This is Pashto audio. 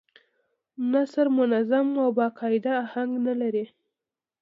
نثر منظم او با قاعده اهنګ نه لري.